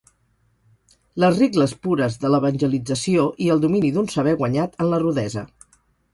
Les regles pures de l'evangelització i el domini d'un saber guanyat en la rudesa.